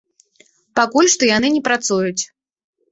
Пакуль што яны не працуюць.